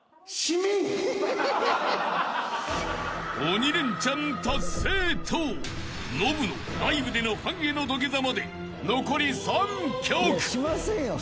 ［鬼レンチャン達成とノブのライブでのファンへの土下座まで残り３曲］しませんよ